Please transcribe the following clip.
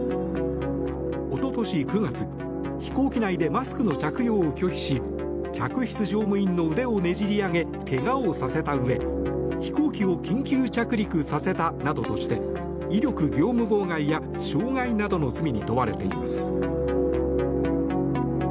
おととし９月飛行機内でマスクの着用を拒否し客室乗務員の腕をねじり上げ怪我をさせたうえ飛行機を緊急着陸させたなどとして威力業務妨害や傷害などの罪に問われています。